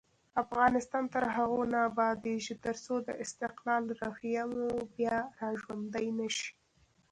افغانستان تر هغو نه ابادیږي، ترڅو د استقلال روحیه مو بیا راژوندۍ نشي.